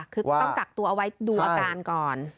คือต้องกักตัวเอาไว้ดูอาการก่อน